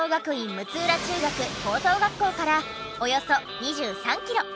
六浦中学・高等学校からおよそ２３キロ。